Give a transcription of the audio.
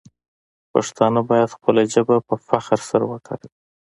پښتانه باید خپله ژبه په فخر سره وکاروي.